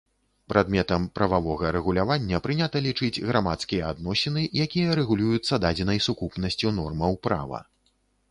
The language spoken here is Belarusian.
Прадметам прававога рэгулявання прынята лічыць грамадскія адносіны, якія рэгулююцца дадзенай сукупнасцю нормаў права.